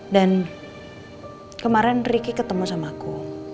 dan kemarin ricky ketemu sama aku